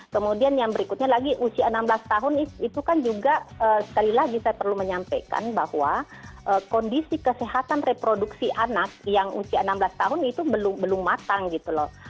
kemudian yang berikutnya lagi usia enam belas tahun itu kan juga sekali lagi saya perlu menyampaikan bahwa kondisi kesehatan reproduksi anak yang usia enam belas tahun itu belum matang gitu loh